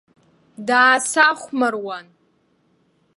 Даасахәмаруан.